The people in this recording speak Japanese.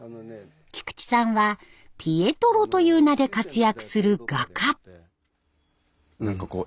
菊池さんは「ピエトロ」という名で活躍する画家。